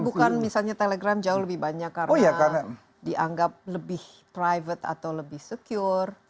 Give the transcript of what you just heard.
bukan misalnya telegram jauh lebih banyak karena dianggap lebih private atau lebih secure